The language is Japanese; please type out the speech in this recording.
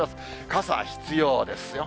傘必要ですよ。